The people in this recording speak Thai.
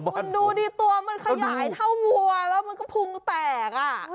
บ้านดูดิตัวมันขยายเท่าวัวนะคะมันก็พุงแตกอ่ะอ่ะ